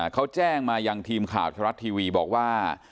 เขาแจ้งมายังทีมข่าวทรัฐทีวีบอกว่า